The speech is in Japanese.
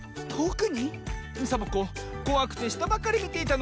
サボ子こわくてしたばかりみていたの。